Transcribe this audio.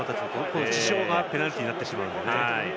この事象はペナルティーになってしまいます。